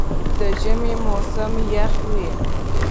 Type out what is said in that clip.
د ژمي موسم یخ وي.